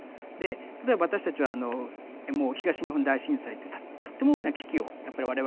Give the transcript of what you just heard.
例えば私たちはもう東日本大震災というとっても大きな危機をやっぱり我々経験した。